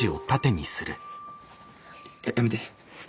やめて。